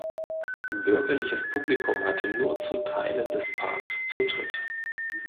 Bürgerliches Publikum hatte nur zu Teilen des Parks Zutritt.